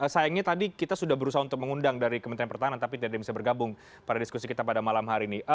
sayangnya tadi kita sudah berusaha untuk mengundang dari kementerian pertahanan tapi tidak ada yang bisa bergabung pada diskusi kita pada malam hari ini